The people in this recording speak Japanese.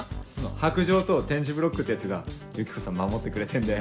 白杖と点字ブロックってやつがユキコさん守ってくれてんだよ。